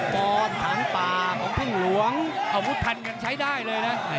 ๑๒๖บอลถามปากของพึ่งหลวงอาวุธพันกันใช้ได้เลยนะ